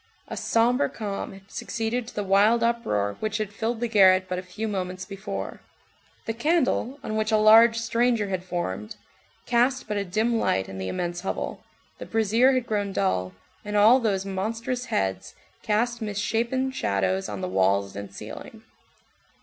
A sombre calm had succeeded to the wild uproar which had filled the garret but a few moments before. The candle, on which a large "stranger" had formed, cast but a dim light in the immense hovel, the brazier had grown dull, and all those monstrous heads cast misshapen shadows on the walls and ceiling.